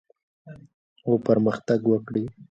او پرمختګ وکړي.